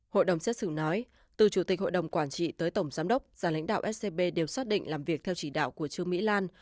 hội đồng xét xử nói từ chủ tịch hội đồng quản trị tới tổng giám đốc ra lãnh đạo scb đều xác định làm việc theo chỉ đạo của trương mỹ lan